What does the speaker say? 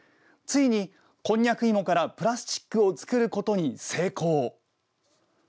ついに、こんにゃく芋からプラスチックを作ることに成功。